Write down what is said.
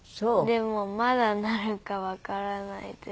でもまだなるかわからないというか。